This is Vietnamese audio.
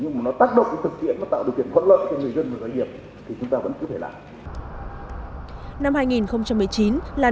nhưng mà nó tác động nó thực hiện nó tạo điều kiện khuất lợi cho người dân và doanh nghiệp thì chúng ta vẫn cứ phải làm